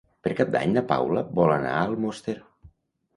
Per Cap d'Any na Paula vol anar a Almoster.